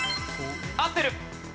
合ってる！